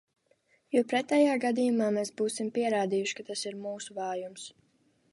Jo pretējā gadījumā mēs būsim pierādījuši, ka tas ir mūsu vājums.